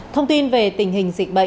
thông tin về tỉnh phú yên